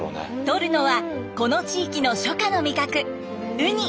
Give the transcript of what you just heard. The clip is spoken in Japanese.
取るのはこの地域の初夏の味覚ウニ。